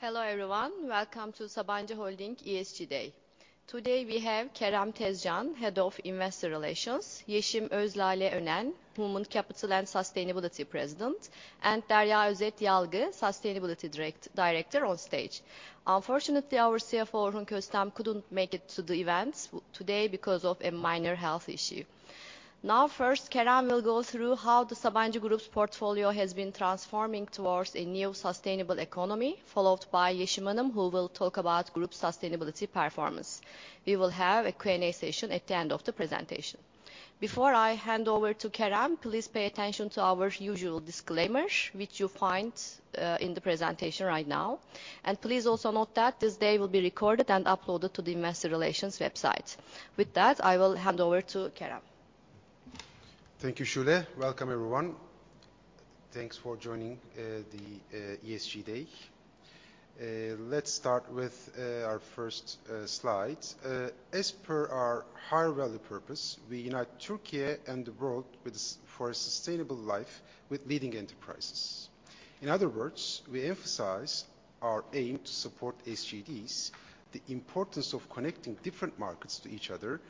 Hello, everyone. Welcome to Sabancı Holding ESG Day. Today, we have Kerem Tezcan, Head of Investor Relations, Yeşim Özlale Önen, Human Capital and Sustainability President, and Derya Özet Yalgı, Sustainability Director on stage. Unfortunately, our CFO, Orhun Köstem, couldn't make it to the event today because of a minor health issue. Now, first, Kerem will go through how the Sabancı Group's portfolio has been transforming towards a new sustainable economy, followed by Yeşim Hanım, who will talk about group sustainability performance. We will have a Q&A session at the end of the presentation. Before I hand over to Kerem, please pay attention to our usual disclaimer, which you find in the presentation right now. Please also note that this day will be recorded and uploaded to the Investor Relations website. With that, I will hand over to Kerem. Thank you, Şule. Welcome, everyone. Thanks for joining the ESG Day. Let's start with our first slide. As per our higher value purpose, we unite Türkiye and the world with for a sustainable life with leading enterprises. In other words, we emphasize our aim to support SDGs, the importance of connecting different markets to each other,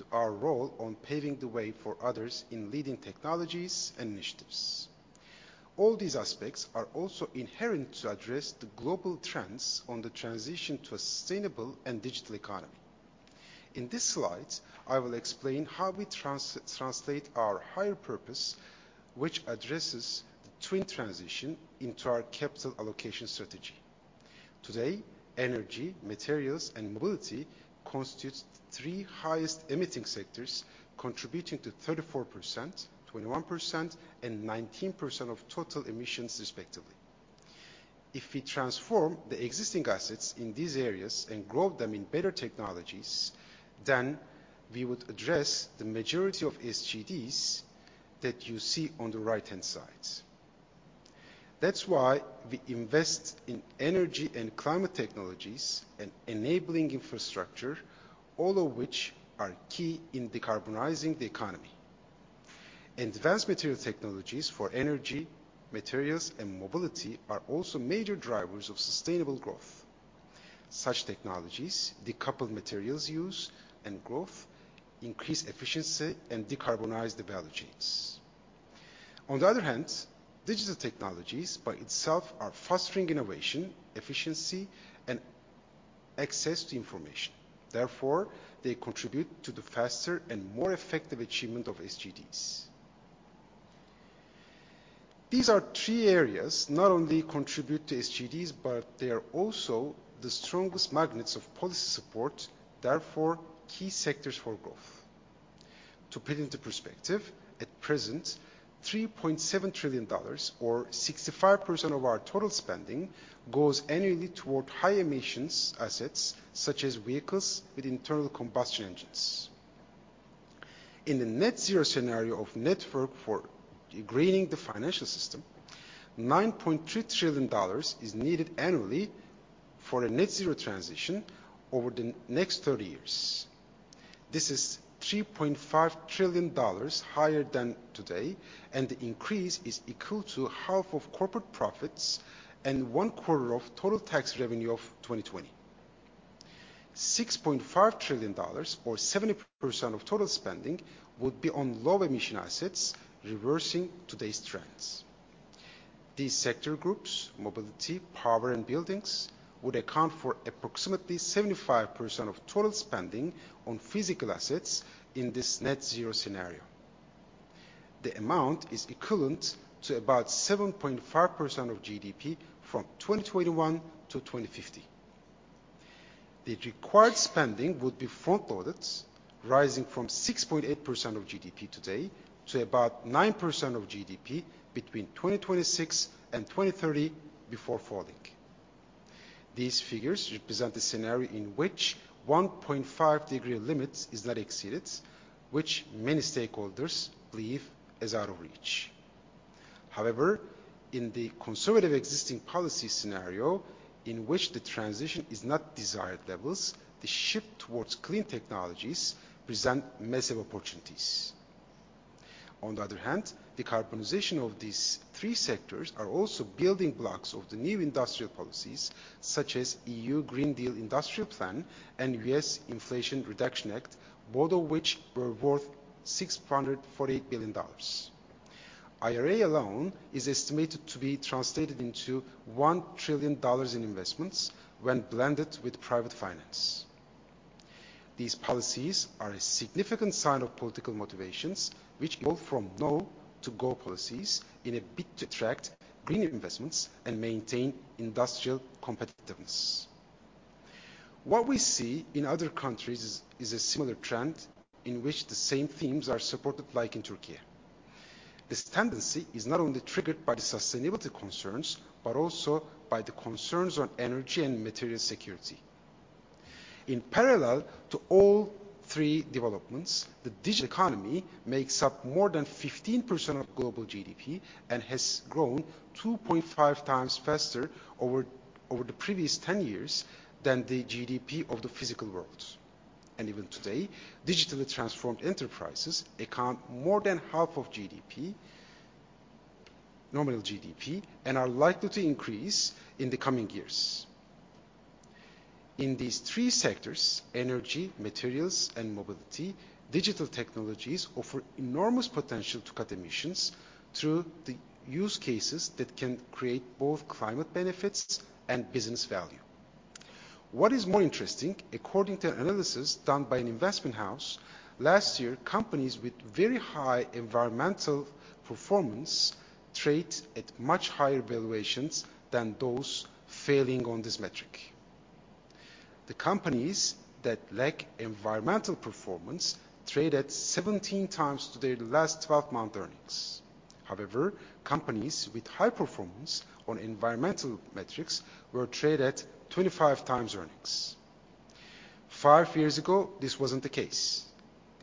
and our role on paving the way for others in leading technologies and initiatives. All these aspects are also inherent to address the global trends on the transition to a sustainable and digital economy. In this slide, I will explain how we translate our higher purpose, which addresses the twin transition into our capital allocation strategy. Today, energy, materials, and mobility constitutes the three highest emitting sectors, contributing to 34%, 21%, and 19% of total emissions, respectively. If we transform the existing assets in these areas and grow them in better technologies, then we would address the majority of SDGs that you see on the right-hand side. That's why we invest in energy and climate technologies and enabling infrastructure, all of which are key in decarbonizing the economy. Advanced material technologies for energy, materials, and mobility are also major drivers of sustainable growth. Such technologies decouple materials use and growth, increase efficiency, and decarbonize the value chains. On the other hand, digital technologies by itself are fostering innovation, efficiency, and access to information. Therefore, they contribute to the faster and more effective achievement of SDGs. These are three areas not only contribute to SDGs, but they are also the strongest magnets of policy support, therefore, key sectors for growth. To put into perspective, at present, $3.7 trillion, or 65% of our total spending, goes annually toward high emissions assets, such as vehicles with internal combustion engines. In the net zero scenario of Network for Greening the Financial System, $9.3 trillion is needed annually for a net zero transition over the next 30 years. This is $3.5 trillion higher than today, and the increase is equal to half of corporate profits and one quarter of total tax revenue of 2020. $6.5 trillion, or 70% of total spending, would be on low-emission assets, reversing today's trends. These sector groups, mobility, power, and buildings, would account for approximately 75% of total spending on physical assets in this net zero scenario. The amount is equivalent to about 7.5% of GDP from 2021 to 2050. The required spending would be front-loaded, rising from 6.8% of GDP today to about 9% of GDP between 2026 and 2030 before falling. These figures represent a scenario in which 1.5-degree limit is not exceeded, which many stakeholders believe is out of reach. However, in the conservative existing policy scenario, in which the transition is not desired levels, the shift towards clean technologies present massive opportunities. On the other hand, decarbonization of these three sectors are also building blocks of the new industrial policies, such as EU Green Deal Industrial Plan and U.S. Inflation Reduction Act, both of which were worth $648 billion. IRA alone is estimated to be translated into $1 trillion in investments when blended with private finance. These policies are a significant sign of political motivations, which go from no to go policies in a bid to attract green investments and maintain industrial competitiveness. What we see in other countries is a similar trend in which the same themes are supported, like in Türkiye. This tendency is not only triggered by the sustainability concerns, but also by the concerns on energy and material security. In parallel to all three developments, the digital economy makes up more than 15% of global GDP and has grown 2.5x faster over the previous 10 years than the GDP of the physical world. And even today, digitally transformed enterprises account more than half of GDP, nominal GDP, and are likely to increase in the coming years. In these three sectors, energy, materials, and mobility, digital technologies offer enormous potential to cut emissions through the use cases that can create both climate benefits and business value. What is more interesting, according to analysis done by an investment house, last year, companies with very high environmental performance trade at much higher valuations than those failing on this metric. The companies that lack environmental performance traded 17x to their last 12-month earnings. However, companies with high performance on environmental metrics were traded 25x earnings. Five years ago, this wasn't the case.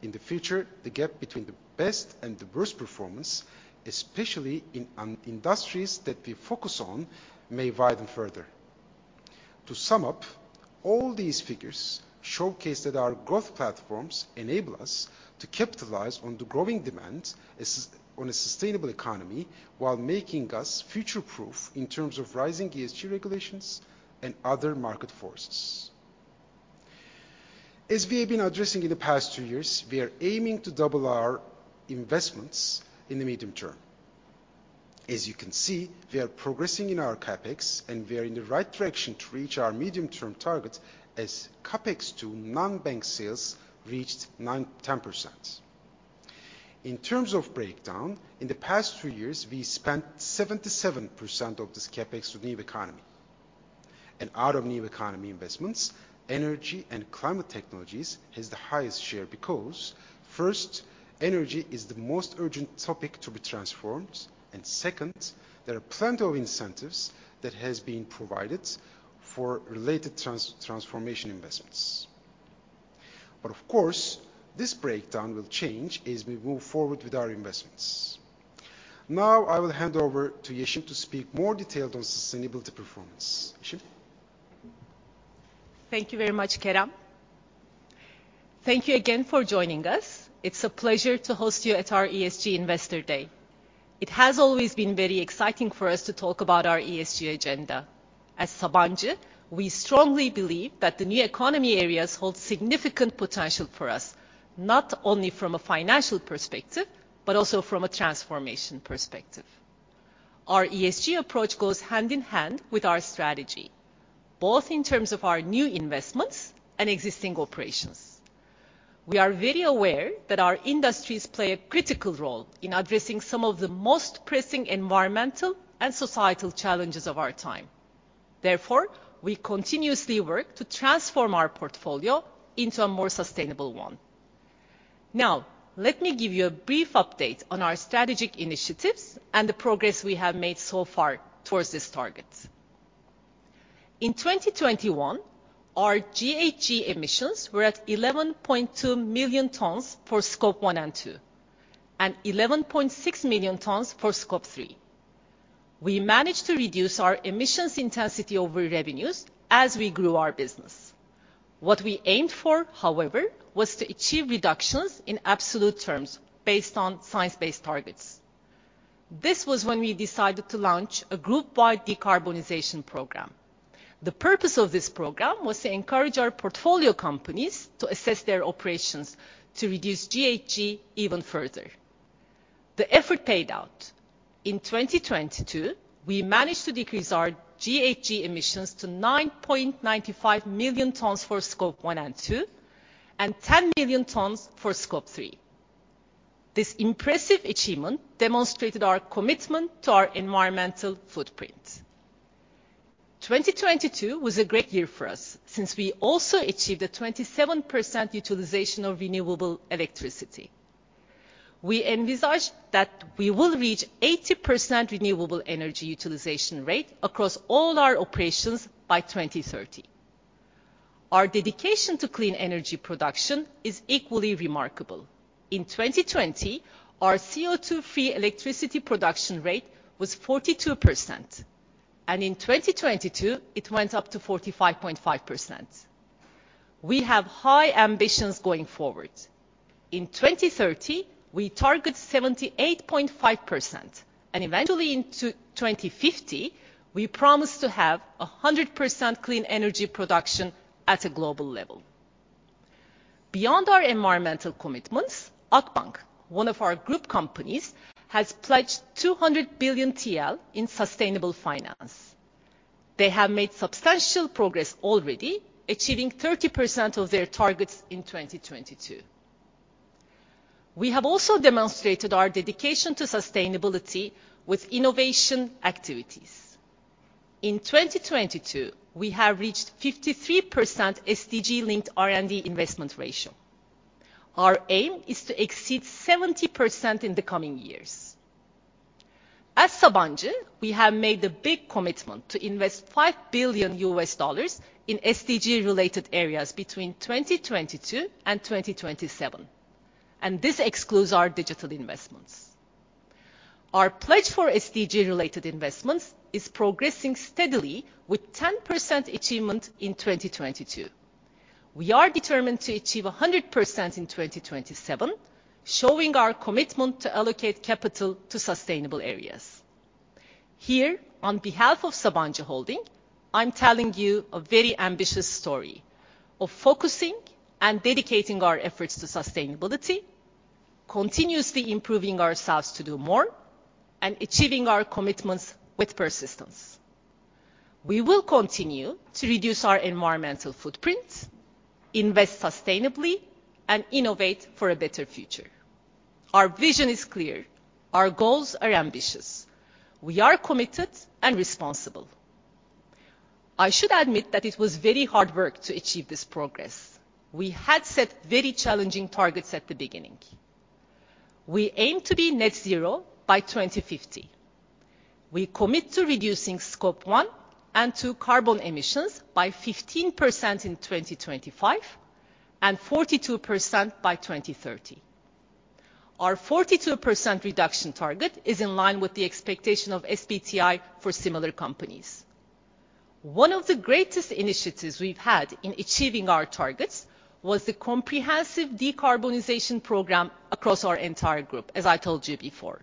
In the future, the gap between the best and the worst performance, especially in industries that we focus on, may widen further. To sum up, all these figures showcase that our growth platforms enable us to capitalize on the growing demand as on a sustainable economy, while making us future-proof in terms of rising ESG regulations and other market forces. As we have been addressing in the past two years, we are aiming to double our investments in the medium term. As you can see, we are progressing in our CapEx, and we are in the right direction to reach our medium-term target, as CapEx to non-bank sales reached 9%-10%. In terms of breakdown, in the past two years, we spent 77% of this CapEx to new economy. Out of new economy investments, energy and climate technologies has the highest share, because, first, energy is the most urgent topic to be transformed, and second, there are plenty of incentives that has been provided for related transformation investments. But of course, this breakdown will change as we move forward with our investments. Now, I will hand over to Yeşim to speak more detailed on sustainability performance. Yeşim? Thank you very much, Kerem. Thank you again for joining us. It's a pleasure to host you at our ESG Investor Day. It has always been very exciting for us to talk about our ESG agenda. As Sabancı, we strongly believe that the new economy areas hold significant potential for us, not only from a financial perspective, but also from a transformation perspective. Our ESG approach goes hand in hand with our strategy, both in terms of our new investments and existing operations. We are very aware that our industries play a critical role in addressing some of the most pressing environmental and societal challenges of our time. Therefore, we continuously work to transform our portfolio into a more sustainable one. Now, let me give you a brief update on our strategic initiatives and the progress we have made so far towards this target. In 2021, our GHG emissions were at 11.2 million tons for Scope 1 and 2, and 11.6 million tons for Scope 3. We managed to reduce our emissions intensity over revenues as we grew our business. What we aimed for, however, was to achieve reductions in absolute terms based on science-based targets. This was when we decided to launch a group-wide decarbonization program. The purpose of this program was to encourage our portfolio companies to assess their operations to reduce GHG even further. The effort paid out. In 2022, we managed to decrease our GHG emissions to 9.95 million tons for Scope 1 and 2, and 10 million tons for Scope 3. This impressive achievement demonstrated our commitment to our environmental footprint. 2022 was a great year for us since we also achieved a 27% utilization of renewable electricity. We envisage that we will reach 80% renewable energy utilization rate across all our operations by 2030. Our dedication to clean energy production is equally remarkable. In 2020, our CO2-free electricity production rate was 42%, and in 2022, it went up to 45.5%. We have high ambitions going forward. In 2030, we target 78.5%, and eventually, in 2050, we promise to have 100% clean energy production at a global level. Beyond our environmental commitments, Akbank, one of our group companies, has pledged 200 billion TL in sustainable finance. They have made substantial progress already, achieving 30% of their targets in 2022. We have also demonstrated our dedication to sustainability with innovation activities. In 2022, we have reached 53% SDG-linked R&D investment ratio. Our aim is to exceed 70% in the coming years. As Sabancı, we have made a big commitment to invest $5 billion in SDG-related areas between 2022 and 2027, and this excludes our digital investments. Our pledge for SDG-related investments is progressing steadily with 10% achievement in 2022. We are determined to achieve 100% in 2027, showing our commitment to allocate capital to sustainable areas. Here, on behalf of Sabancı Holding, I'm telling you a very ambitious story of focusing and dedicating our efforts to sustainability, continuously improving ourselves to do more, and achieving our commitments with persistence. We will continue to reduce our environmental footprint, invest sustainably, and innovate for a better future. Our vision is clear. Our goals are ambitious. We are committed and responsible. I should admit that it was very hard work to achieve this progress. We had set very challenging targets at the beginning. We aim to be Net Zero by 2050. We commit to reducing Scope 1 and 2 carbon emissions by 15% in 2025, and 42% by 2030. Our 42% reduction target is in line with the expectation of SBTi for similar companies. One of the greatest initiatives we've had in achieving our targets was the comprehensive decarbonization program across our entire group, as I told you before.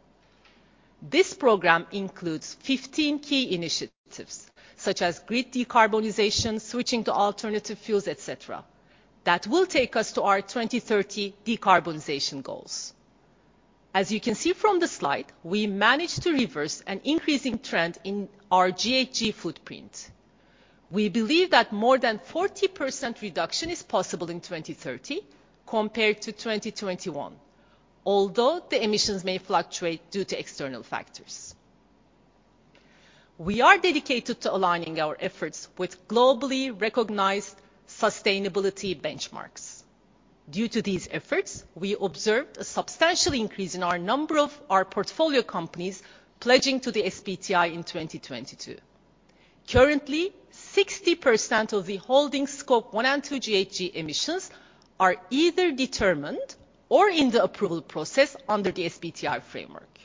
This program includes 15 key initiatives, such as grid decarbonization, switching to alternative fuels, etc., that will take us to our 2030 decarbonization goals. As you can see from the slide, we managed to reverse an increasing trend in our GHG footprint. We believe that more than 40% reduction is possible in 2030 compared to 2021, although the emissions may fluctuate due to external factors. We are dedicated to aligning our efforts with globally recognized sustainability benchmarks. Due to these efforts, we observed a substantial increase in our number of our portfolio companies pledging to the SBTi in 2022. Currently, 60% of the holding Scope 1 and 2 GHG emissions are either determined or in the approval process under the SBTi framework.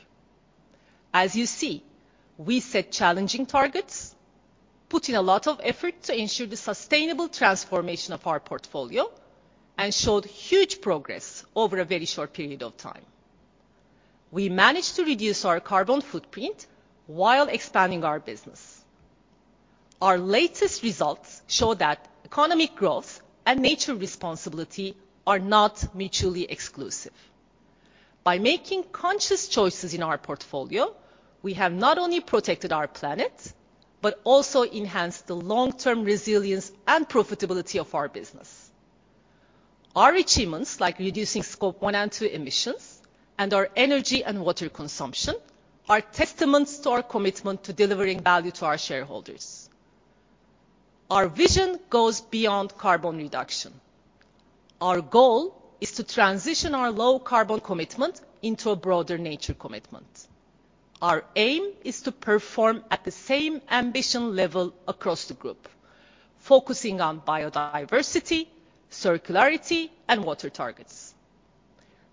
As you see, we set challenging targets, put in a lot of effort to ensure the sustainable transformation of our portfolio, and showed huge progress over a very short period of time. We managed to reduce our carbon footprint while expanding our business. Our latest results show that economic growth and nature responsibility are not mutually exclusive. By making conscious choices in our portfolio, we have not only protected our planet, but also enhanced the long-term resilience and profitability of our business. Our achievements, like reducing Scope 1 and 2 emissions, and our energy and water consumption, are testaments to our commitment to delivering value to our shareholders. Our vision goes beyond carbon reduction. Our goal is to transition our low-carbon commitment into a broader nature commitment. Our aim is to perform at the same ambition level across the group, focusing on biodiversity, circularity, and water targets.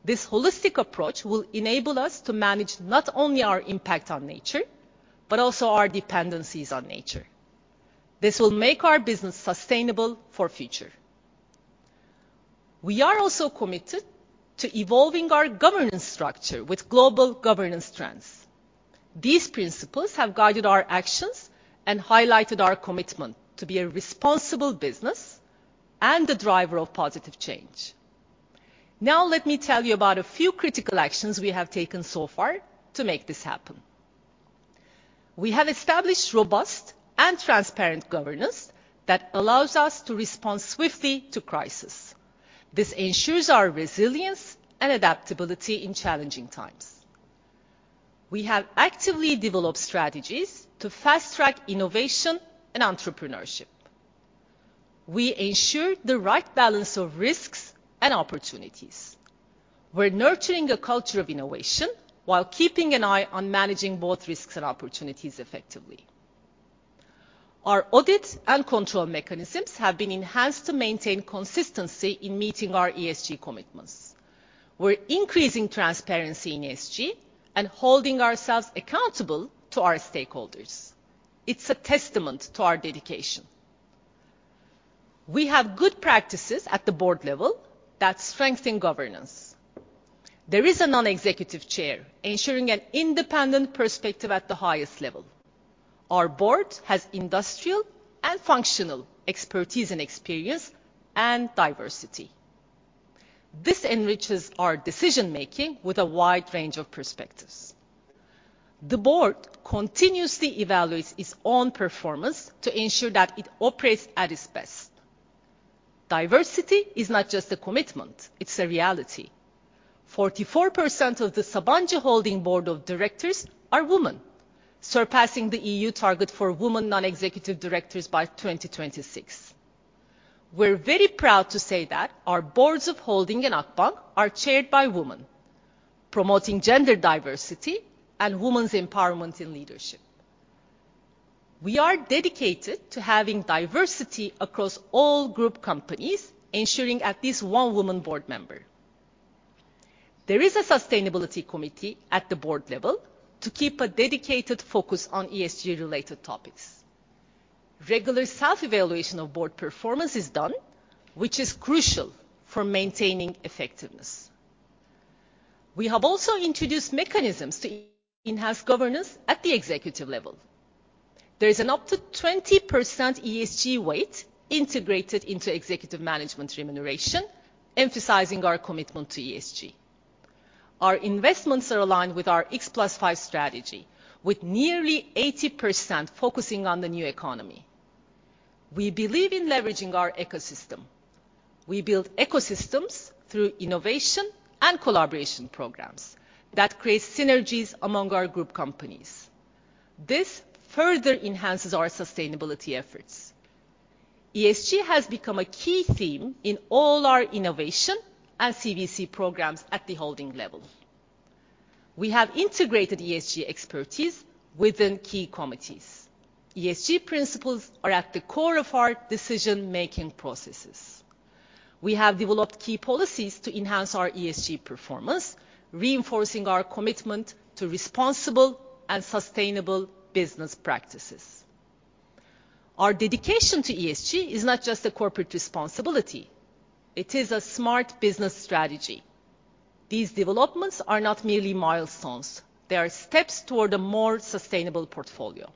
This holistic approach will enable us to manage not only our impact on nature, but also our dependencies on nature. This will make our business sustainable for future. We are also committed to evolving our governance structure with global governance trends. These principles have guided our actions and highlighted our commitment to be a responsible business and a driver of positive change. Now, let me tell you about a few critical actions we have taken so far to make this happen. We have established robust and transparent governance that allows us to respond swiftly to crisis. This ensures our resilience and adaptability in challenging times. We have actively developed strategies to fast-track innovation and entrepreneurship. We ensure the right balance of risks and opportunities. We're nurturing a culture of innovation while keeping an eye on managing both risks and opportunities effectively. Our audit and control mechanisms have been enhanced to maintain consistency in meeting our ESG commitments. We're increasing transparency in ESG and holding ourselves accountable to our stakeholders. It's a testament to our dedication. We have good practices at the board level that strengthen governance. There is a non-executive chair ensuring an independent perspective at the highest level. Our board has industrial and functional expertise, and experience, and diversity. This enriches our decision-making with a wide range of perspectives. The board continuously evaluates its own performance to ensure that it operates at its best. Diversity is not just a commitment, it's a reality. 44% of the Sabancı Holding Board of Directors are women, surpassing the EU target for women non-executive directors by 2026. We're very proud to say that our boards of Holding and Akbank are chaired by women, promoting gender diversity and women's empowerment in leadership. We are dedicated to having diversity across all group companies, ensuring at least one woman board member. There is a sustainability committee at the board level to keep a dedicated focus on ESG-related topics. Regular self-evaluation of board performance is done, which is crucial for maintaining effectiveness. We have also introduced mechanisms to enhance governance at the executive level. There is an up to 20% ESG weight integrated into executive management remuneration, emphasizing our commitment to ESG. Our investments are aligned with our X+5 strategy, with nearly 80% focusing on the new economy. We believe in leveraging our ecosystem. We build ecosystems through innovation and collaboration programs that create synergies among our group companies. This further enhances our sustainability efforts. ESG has become a key theme in all our innovation and CVC programs at the holding level. We have integrated ESG expertise within key committees. ESG principles are at the core of our decision-making processes. We have developed key policies to enhance our ESG performance, reinforcing our commitment to responsible and sustainable business practices. Our dedication to ESG is not just a corporate responsibility, it is a smart business strategy. These developments are not merely milestones, they are steps toward a more sustainable portfolio.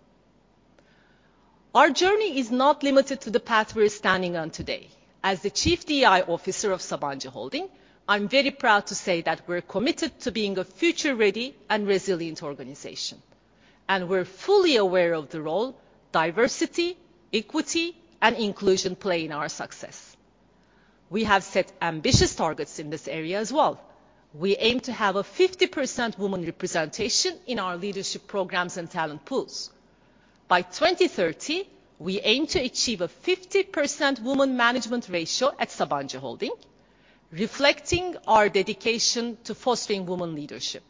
Our journey is not limited to the path we're standing on today. As the Chief DE&I Officer of Sabancı Holding, I'm very proud to say that we're committed to being a future-ready and resilient organization, and we're fully aware of the role diversity, equity, and inclusion play in our success. We have set ambitious targets in this area as well. We aim to have a 50% woman representation in our leadership programs and talent pools. By 2030, we aim to achieve a 50% woman management ratio at Sabancı Holding, reflecting our dedication to fostering woman leadership.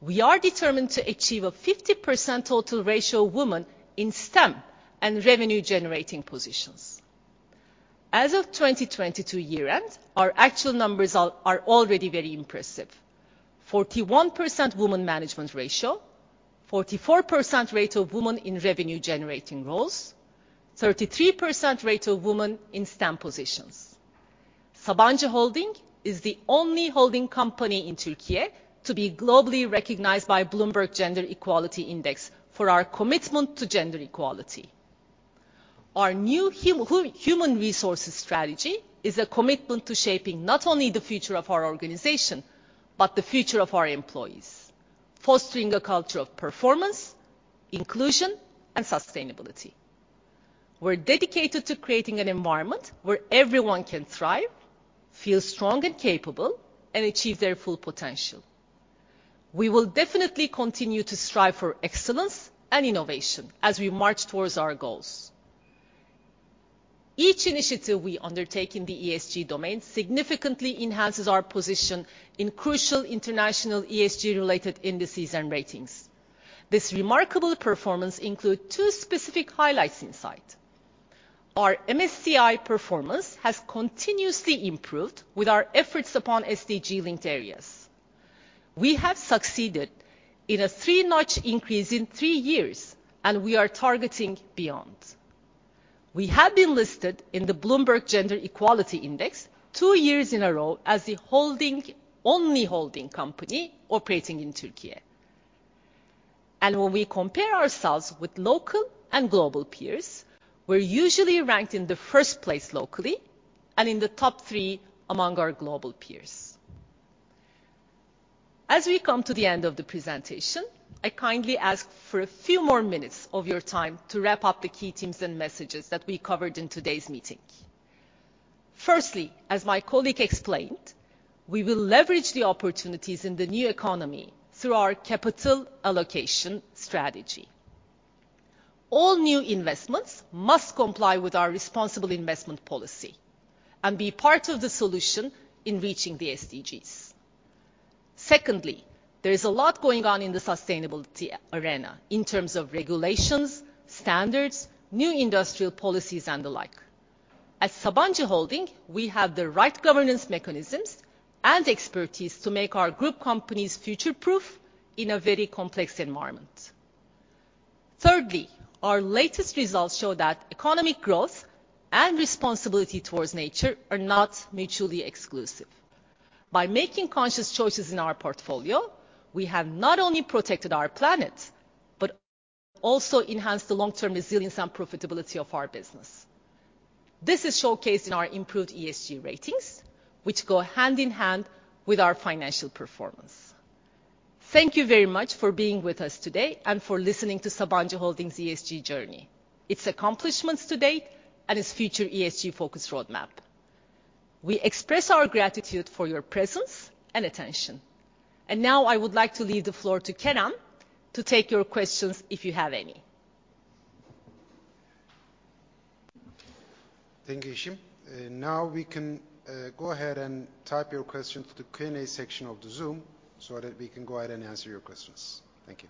We are determined to achieve a 50% total ratio of women in STEM and revenue-generating positions. As of 2022 year-end, our actual numbers are already very impressive: 41% woman management ratio, 44% rate of women in revenue-generating roles, 33% rate of women in STEM positions. Sabancı Holding is the only holding company in Türkiye to be globally recognized by Bloomberg Gender-Equality Index for our commitment to gender equality. Our new human resources strategy is a commitment to shaping not only the future of our organization, but the future of our employees, fostering a culture of performance, inclusion, and sustainability. We're dedicated to creating an environment where everyone can thrive, feel strong and capable, and achieve their full potential. We will definitely continue to strive for excellence and innovation as we march towards our goals. Each initiative we undertake in the ESG domain significantly enhances our position in crucial international ESG-related indices and ratings. This remarkable performance includes two specific highlights in sight. Our MSCI performance has continuously improved with our efforts upon SDG-linked areas. We have succeeded in a three-notch increase in three years, and we are targeting beyond. We have been listed in the Bloomberg Gender-Equality Index two years in a row as the only holding company operating in Türkiye. And when we compare ourselves with local and global peers, we're usually ranked in the first place locally and in the top three among our global peers. As we come to the end of the presentation, I kindly ask for a few more minutes of your time to wrap up the key themes and messages that we covered in today's meeting. Firstly, as my colleague explained, we will leverage the opportunities in the new economy through our capital allocation strategy. All new investments must comply with our responsible investment policy and be part of the solution in reaching the SDGs. Secondly, there is a lot going on in the sustainability arena in terms of regulations, standards, new industrial policies, and the like. At Sabancı Holding, we have the right governance mechanisms and expertise to make our group companies future-proof in a very complex environment. Thirdly, our latest results show that economic growth and responsibility towards nature are not mutually exclusive. By making conscious choices in our portfolio, we have not only protected our planet, but also enhanced the long-term resilience and profitability of our business. This is showcased in our improved ESG ratings, which go hand in hand with our financial performance. Thank you very much for being with us today and for listening to Sabancı Holding's ESG journey, its accomplishments to date, and its future ESG-focused roadmap. We express our gratitude for your presence and attention. Now I would like to leave the floor to Kerem to take your questions, if you have any. Thank you, Yeşim. Now we can go ahead and type your questions to the Q&A section of the Zoom, so that we can go ahead and answer your questions. Thank you.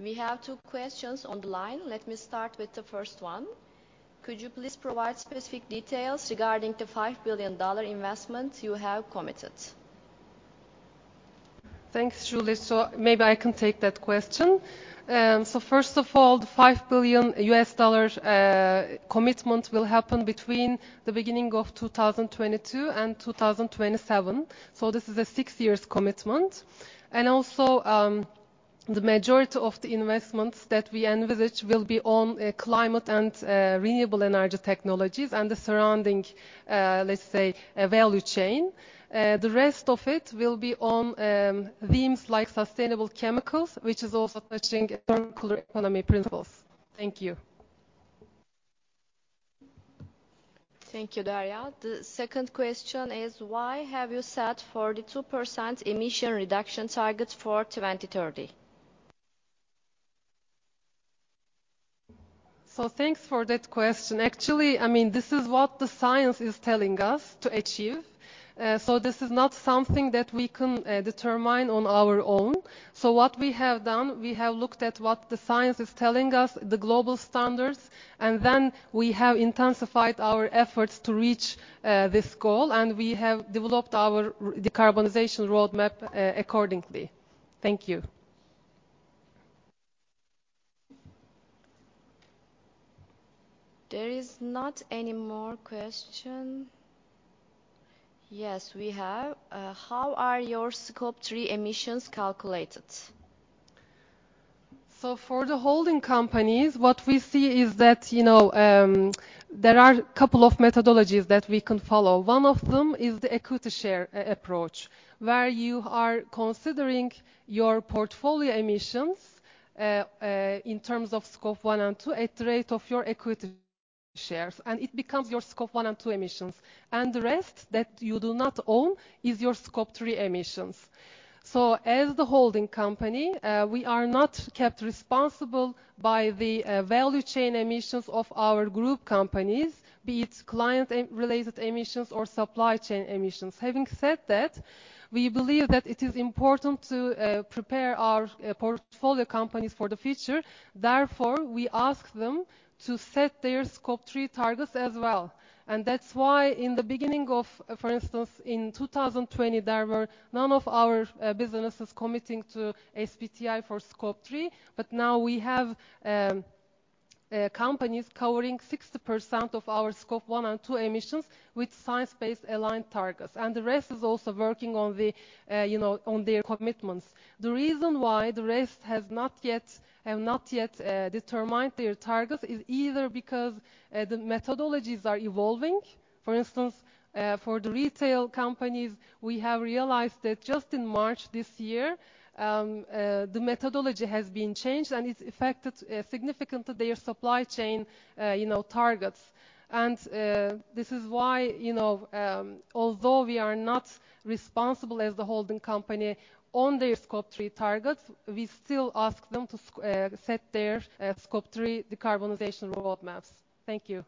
We have two questions on the line. Let me start with the first one. Could you please provide specific details regarding the $5 billion investment you have committed? Thanks, Şule. So maybe I can take that question. So first of all, the $5 billion commitment will happen between the beginning of 2022 and 2027. So this is a six years commitment. And also, the majority of the investments that we envisage will be on climate and renewable energy technologies and the surrounding, let's say, a value chain. The rest of it will be on themes like sustainable chemicals, which is also touching circular economy principles. Thank you. Thank you, Derya. The second question is: Why have you set 42% emission reduction targets for 2030? So thanks for that question. Actually, I mean, this is what the science is telling us to achieve. So this is not something that we can determine on our own. So what we have done, we have looked at what the science is telling us, the global standards, and then we have intensified our efforts to reach this goal, and we have developed our decarbonization roadmap accordingly. Thank you. There is not any more question. Yes, we have. How are your Scope 3 emissions calculated? So for the holding companies, what we see is that, you know, there are a couple of methodologies that we can follow. One of them is the equity share approach, where you are considering your portfolio emissions in terms of Scope 1 and 2, at the rate of your equity shares, and it becomes your Scope 1 and 2 emissions, and the rest that you do not own is your Scope 3 emissions. So as the holding company, we are not kept responsible by the value chain emissions of our group companies, be it client related emissions or supply chain emissions. Having said that, we believe that it is important to prepare our portfolio companies for the future. Therefore, we ask them to set their Scope 3 targets as well. And that's why in the beginning of. For instance, in 2020, there were none of our businesses committing to SBTi for Scope 3, but now we have companies covering 60% of our Scope 1 and 2 emissions with science-based aligned targets, and the rest is also working on the, you know, on their commitments. The reason why the rest have not yet determined their targets is either because the methodologies are evolving. For instance, for the retail companies, we have realized that just in March this year, the methodology has been changed, and it's affected significantly their supply chain, you know, targets. And this is why, you know, although we are not responsible as the holding company on their Scope 3 targets, we still ask them to set their Scope 3 decarbonization roadmaps. Thank you.